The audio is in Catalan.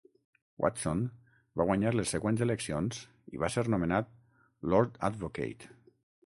Watson va guanyar les següents eleccions i va ser nomenat Lord Advocate.